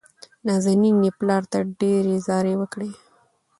نازنين يې پلار ته ډېرې زارۍ وکړې.